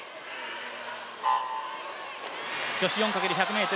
女子４×１００ｍ